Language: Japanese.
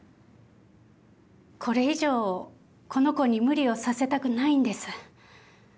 これ以上この子に無理をさせたくないんです。